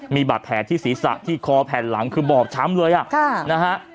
มีบาดแผลที่ศีรษะที่คอแผ่นหลังคือบอบช้ำเลยอ่ะค่ะนะฮะ